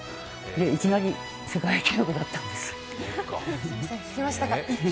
いきなり世界記録だったんです。